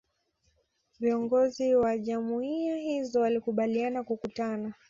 Viongozi wa Jumuiya hizo walikubaliana kukutana